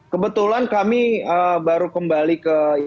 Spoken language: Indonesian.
kebetulan kami baru kembali ke